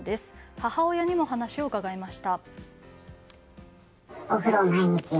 母親にも話を伺いました。